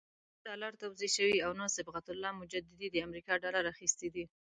نه ډالر توزیع شوي او نه صبغت الله مجددي د امریکا ډالر اخیستي دي.